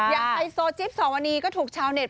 อย่างไอโซจิปสวนีก็ถูกชาวเน็ต